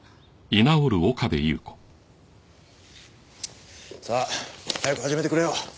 さあ早く始めてくれよ。